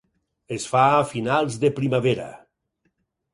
Es fa a finals de primavera.